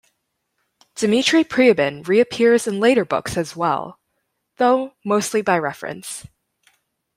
Dmitri Priabin reappears in later books as well, though mostly by reference.